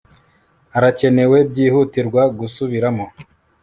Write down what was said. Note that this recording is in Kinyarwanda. harakenewe byihutirwa gusubiramo